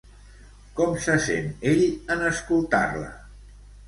Com se sent ell en escoltar-la?